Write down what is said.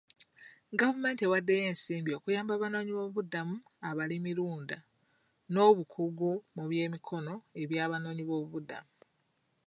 Gavumenti ewaddeyo ensimbi okuyamba abanoonyi b'obubuddamu abalimirunda n'obukugu mu by'emikono eby'abanoonyi b'obubuddamu.